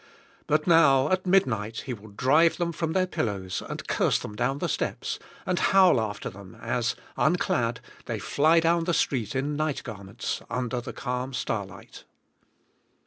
But now at midnight he will drive them from their pillows and curse them down the steps, and howl after them as, unclad, they fly down the street, in night garments, under the calm starlight.